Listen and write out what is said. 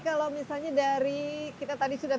kalau misalnya dari kita tadi sudah